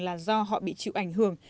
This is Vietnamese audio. là do họ bị chịu ảnh hưởng